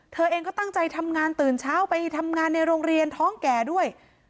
เธอเองก็ตั้งใจทำงานตื่นเช้าไปทำงานในโรงเรียนท้องแก่ด้วย